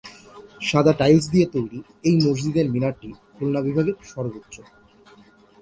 সাদা টাইলস দিয়ে তৈরি এই মসজিদের মিনারটি খুলনা বিভাগের সর্বোচ্চ।